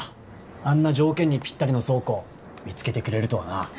あんな条件にピッタリの倉庫見つけてくれるとはな。